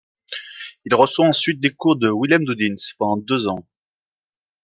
Il reçoit ensuite des cours de Willem Doudyns pendant deux ans.